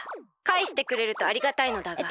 かえしてくれるとありがたいのだが。